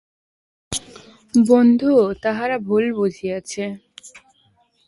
বন্ধু, তাহারা ভুল বুঝিয়াছে।